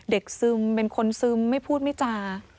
เด็กซึมเป็นคนซึมไม่พูดมั้ยจ้า